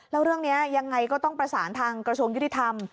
แล้วเรื่องนี้ยังไงก็ต้องประสานทางกระทรวงยุติธรรม